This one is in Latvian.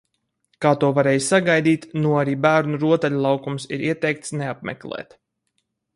Kā to varēja sagaidīt, nu arī bērnu rotaļu laukumus ir ieteikts neapmeklēt.